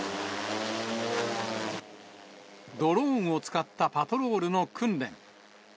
ドローンを使ったパトロールの訓練。